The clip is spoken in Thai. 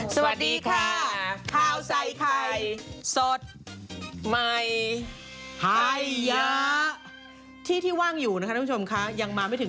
สวัสดีค่ะข้าวใส่ไข่สดใหม่ให้ยาที่ที่ว่างอยู่นะคะท่านผู้ชมค่ะยังมาไม่ถึง